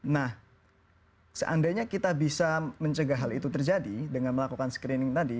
nah seandainya kita bisa mencegah hal itu terjadi dengan melakukan screening tadi